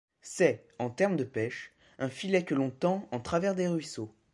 C'est, en termes de pêche, un filet que l'on tend en travers des ruisseaux.